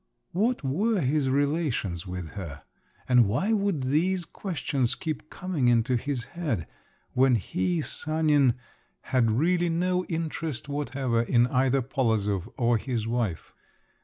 What were his relations with her? And why would these questions keep coming into his head, when he, Sanin, had really no interest whatever in either Polozov or his wife?